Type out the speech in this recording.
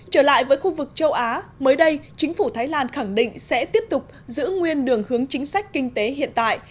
trở lại với khu vực châu á mới đây chính phủ thái lan khẳng định sẽ tiếp tục giữ nguyên đường hướng chính sách kinh tế hiện tại